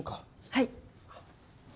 はい。